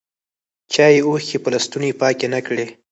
چایې اوښکي په لستوڼي پاکي نه کړې